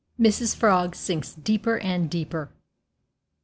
MRS. FROG SINKS DEEPER AND DEEPER.